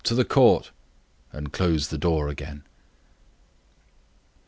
to the Court," and closed the door again.